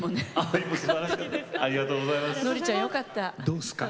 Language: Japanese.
どうすか？